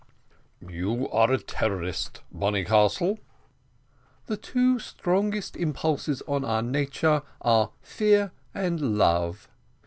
"You are a terrorist, Bonnycastle." "The two strongest impulses in our nature are fear and love.